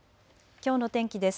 きょうの天気です。